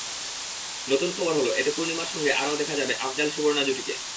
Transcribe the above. নতুন খবর হলো, এতে পূর্ণিমার সঙ্গে আরও দেখা যাবে আফজাল-সুবর্ণা জুটিকে।